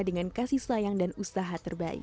dengan kasih sayang dan usaha terbaik